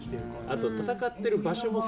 あと戦ってる場所も。